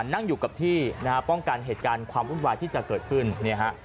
นั่งอยู่กับที่นะฮะป้องกันเหตุการณ์ความวุ่นวายที่จะเกิดขึ้นเนี่ยฮะ